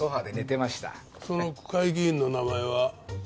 その区会議員の名前は？